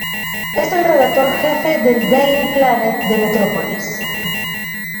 Es el redactor jefe del "Daily Planet" de Metrópolis.